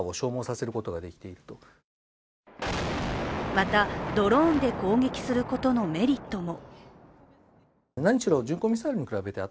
また、ドローンで攻撃することのメリットも。